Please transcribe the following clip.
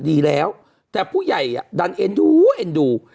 ดีแล้วแต่ผู้ใหญ่อ่ะดันเอ็นดูเอ็นดู